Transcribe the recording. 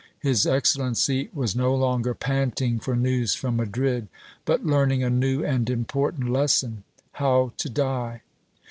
His excellency was no longer panting for news from Madrid, but learning a new and important les son, how to die.